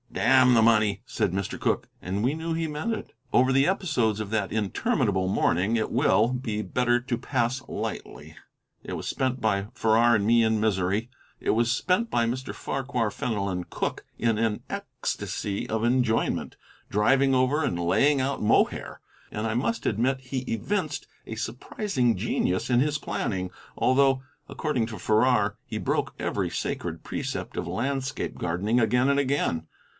"Damn the money!" said Mr. Cooke, and we knew he meant it. Over the episodes of that interminable morning it will, be better to pass lightly. It was spent by Farrar and me in misery. It was spent by Mr. Farquhar Fenelon Cooke in an ecstasy of enjoyment, driving over and laying out Mohair, and I must admit he evinced a surprising genius in his planning, although, according to Farrar, he broke every sacred precept of landscape gardening again and again.